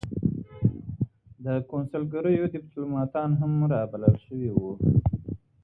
د کنسلګریو دیپلوماتان هم را بلل شوي وو.